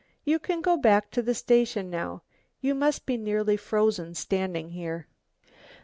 You can go back to the station now, you must be nearly frozen standing here."